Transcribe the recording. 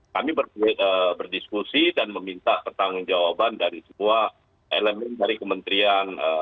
kami berdiskusi dan meminta pertanggung jawaban dari semua elemen dari kementerian